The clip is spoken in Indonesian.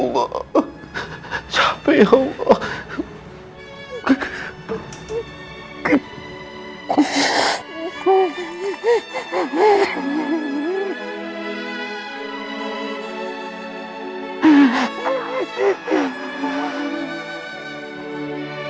di ataupun ke keuangan vipnya